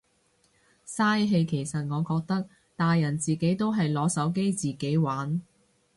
嘥氣其實我覺得，大人自己都係攞手機自己玩。